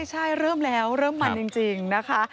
ใช่เริ่มแล้วเริ่มมันจริงนะคะ